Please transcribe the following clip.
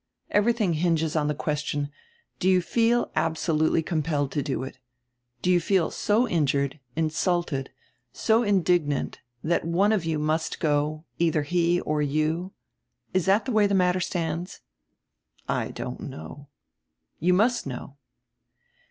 Everything hinges on the question, do you feel absolutely compelled to do it? Do you feel so injured, insulted, so indignant that one of you must go, either he or you? Is that the way the matter stands?" "I don't know." "You must know."